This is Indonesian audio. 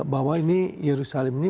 bahwa ini yerusalem ini